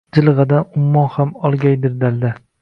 Jilg’adan ummon ham olgaydir dalda